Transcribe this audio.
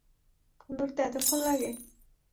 Phone ধরতে এতক্ষণ লাগে?